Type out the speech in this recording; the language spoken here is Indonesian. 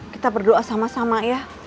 kita berdoa sama sama ya